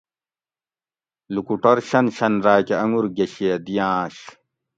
لُکوٹور شن شن راۤکۤہ انگور گشیہ دِیاۤںش